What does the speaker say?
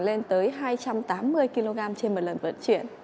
lên tới hai trăm tám mươi kg trên một lần vận chuyển